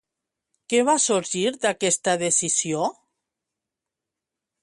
Què va sorgir d'aquesta decisió?